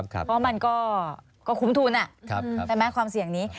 เพราะมันก็คุ้มทุนใช่ไหมความเสี่ยงนี้